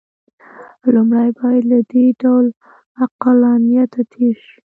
لومړی باید له دې ډول عقلانیته تېر شي.